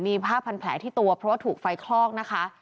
มีผ้าพันแผลที่ตัวเพราะว่าถูกไฟคลอกนะคะ